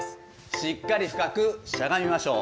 しっかり深くしゃがみましょう。